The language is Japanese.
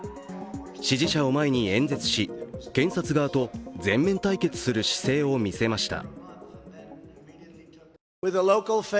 支持者を前に演説し検察側と全面対決する姿勢を見せました。